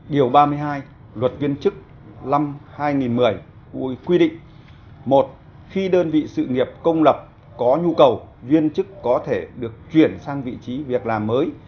điều ba mươi hai luật viên chức năm hai nghìn một mươi quy định một khi đơn vị sự nghiệp công lập có nhu cầu viên chức có thể được chuyển sang vị trí việc làm mới